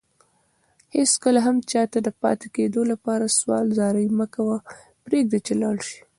هيڅ کله هم چاته دپاتي کيدو لپاره سوال زاری مکوه پريږده چي لاړشي